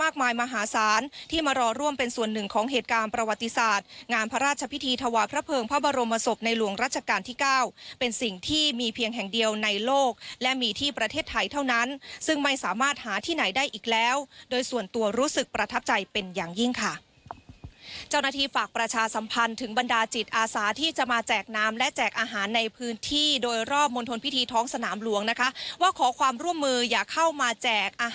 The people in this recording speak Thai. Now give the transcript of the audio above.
ของเหตุการณ์ประวัติศาสตร์งานพระราชพิธีทวายพระเพิงพระบรมศพในหลวงราชการที่๙เป็นสิ่งที่มีเพียงแห่งเดียวในโลกและมีที่ประเทศไทยเท่านั้นซึ่งไม่สามารถหาที่ไหนได้อีกแล้วโดยส่วนตัวรู้สึกประทับใจเป็นอย่างยิ่งค่ะเจ้าหน้าที่ฝากประชาสัมพันธ์ถึงบรรดาจิตอาสาที่จะมาแจก